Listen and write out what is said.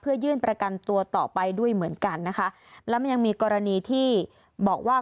เพื่อยื่นประกันตัวต่อไปด้วยเหมือนกันนะคะแล้วมันยังมีกรณีที่บอกว่า